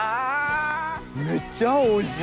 めっちゃおいしい！